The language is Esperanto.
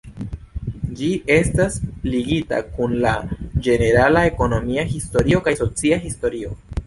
Ĝi estas ligita kun la ĝenerala ekonomia historio kaj socia historio.